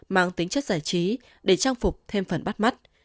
mang tính chất giải trí để trang phục thêm phần bắt mắt